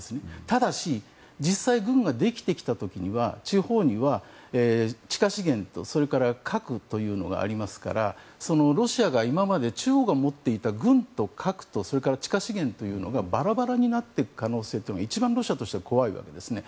ただし実際、軍ができてきた時には地方には地下資源と核というのがありますからそのロシアが今まで中国が持っていた軍と核と地下資源がバラバラになっていく可能性というのが一番ロシアとしては怖いわけですね。